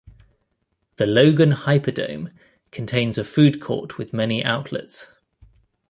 The Logan Hyperdome contains a food court with many outlets.